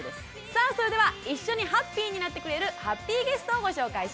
さあそれでは一緒にハッピーになってくれるハッピーゲストをご紹介します。